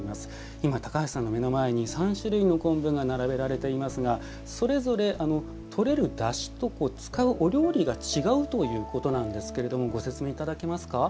今、高橋さんの目の前に３種類の昆布が並べられていますがそれぞれ、とれるだしと使うお料理が違うということなんですけれどもご説明いただけますか。